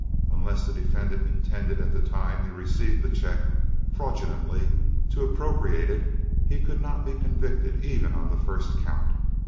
Unless the defendant intended at the time he received the check fraudulently to appropriate it he could not be convicted even on the first count.